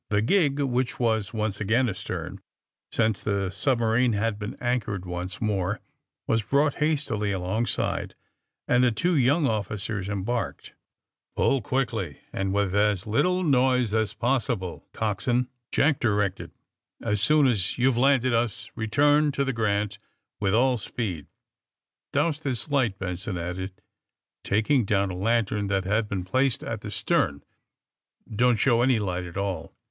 The gig, which was again astern, since the submarine had been anchored once more, was brought hastily alongside, and the two young officers embarked AND THE SMUGGLEES 77 *'Pull quickly, and with as little noise as pos sible, coxswain," Jack directed. '^As soon as youVe landed us return to the ^ Grant' with all sjjeed. Douse this light," Benson added, tak ing down a lantern that had been placed at the stern. ^^ Don't show any light at all."